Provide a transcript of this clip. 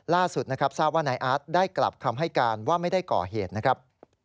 ล่าสุดนะครับทราบว่านายอาร์ตได้กลับคำให้การว่าไม่ได้ก่อเหตุนะครับ